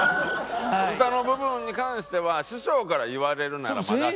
歌の部分に関しては師匠から言われるならまだしも。